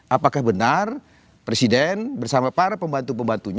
apakah benar presiden bersama para pembantu pembantunya